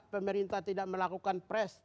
pemerintah tidak melakukan press